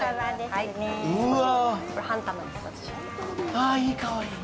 ああ、いい香り。